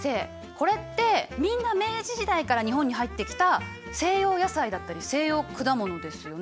これってみんな明治時代から日本に入ってきた西洋野菜だったり西洋果物ですよね？